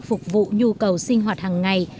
phục vụ nhu cầu sinh hoạt hàng ngày